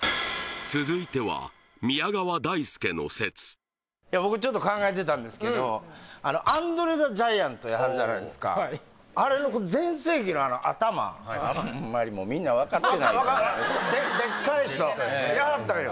続いては僕ちょっと考えてたんですけどアンドレ・ザ・ジャイアントいはるじゃないですかあれの全盛期の頭周りもうみんな分かってないでっかい人いらはったんよ